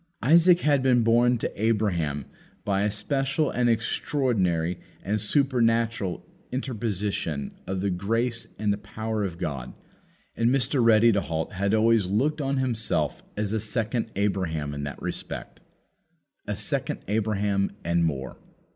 Isaac had been born to Abraham by a special and extraordinary and supernatural interposition of the grace and the power of God; and Mr. Ready to halt had always looked on himself as a second Abraham in that respect. A second Abraham, and more.